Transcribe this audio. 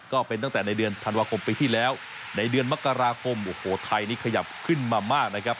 ก็เป็นตั้งแต่ในเดือนธันวาคมปีที่แล้วในเดือนมกราคมโอ้โหไทยนี่ขยับขึ้นมามากนะครับ